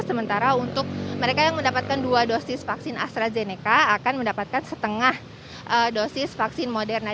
sementara untuk mereka yang mendapatkan dua dosis vaksin astrazeneca akan mendapatkan setengah dosis vaksin moderna